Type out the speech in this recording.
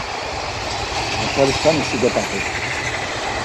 Markvali sǩani si get̆axi!